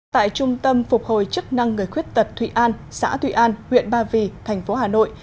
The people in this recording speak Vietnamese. tại trung tâm phục hồi chức năng người khuyết tật thụy an xã thụy an huyện ba vì thành phố hà nội